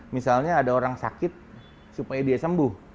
misalnya ada orang sakit supaya dia sembuh